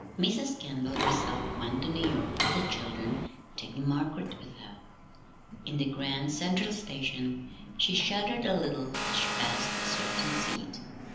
Mrs. Kendall herself went to New York with the children, taking Margaret with her. In the Grand Central Station she shuddered a little as she passed a certain seat.